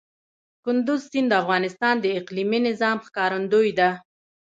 کندز سیند د افغانستان د اقلیمي نظام ښکارندوی ده.